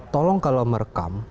tolong kalau merekam